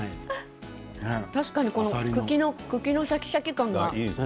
確かにこの茎のシャキシャキ感が。